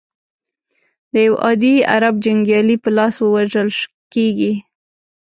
د یوه عادي عرب جنګیالي په لاس وژل کیږي.